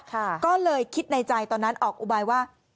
ก็เลยคิดในใจตอนนั้นออกอุบายว่า